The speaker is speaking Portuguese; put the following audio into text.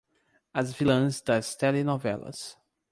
As vilãs das telenovelas